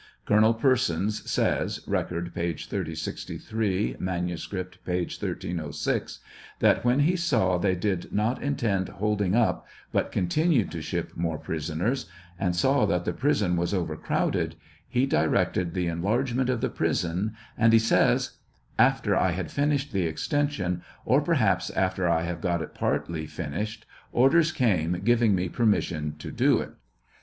Colonel Persons says (Record, p. 3063; manuscript, p. 1306) that when he saw they did not intend holding up, but continued td ship more prisoners, and saw that the prison was overcrowded, he directed the enlargement of the prison, and he says : After I had finished the extension, or, perhaps, after I had got it partly finished,. orders came giving me permission to do it.